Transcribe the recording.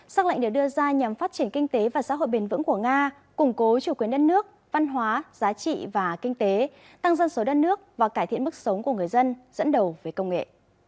xác lệnh được đưa ra nhằm phát triển kinh tế và xã hội bền vững của nga củng cố chủ quyền đất nước văn hóa giá trị và kinh tế tăng dân số đất nước và cải thiện mức sống của người dân dẫn đầu về công nghệ